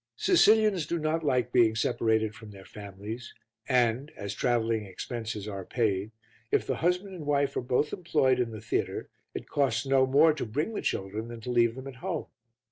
Sicilians do not like being separated from their families and, as travelling expenses are paid, if the husband and wife are both employed in the theatre, it costs no more to bring the children than to leave them at home.